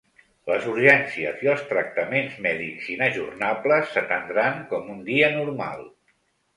Les urgències i els tractaments mèdics inajornables s’atendran com un dia normal.